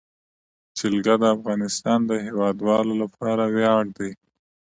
جلګه د افغانستان د هیوادوالو لپاره ویاړ دی.